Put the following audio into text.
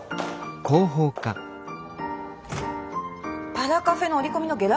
パラカフェの折り込みのゲラ？